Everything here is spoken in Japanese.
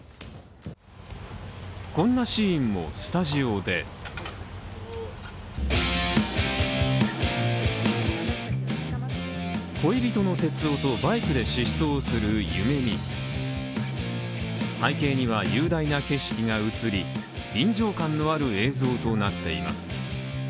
こんなシーンもスタジオで恋人のテツオとバイクで疾走するユメミ背景には雄大な景色が映り、臨場感のある映像となっています。